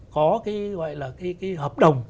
có cái gọi là cái hợp đồng